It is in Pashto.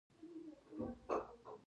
شر د چا کار دی؟